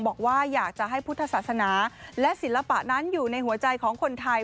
บอกว่าอยากจะให้พุทธศาสนาและศิลปะนั้นอยู่ในหัวใจของคนไทย